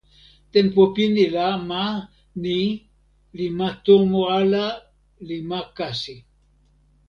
tenpo pini la ma ni li ma tomo ala li ma kasi.